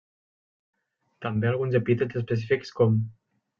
També alguns epítets específics com.